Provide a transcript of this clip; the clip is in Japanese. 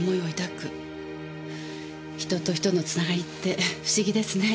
人と人のつながりって不思議ですね。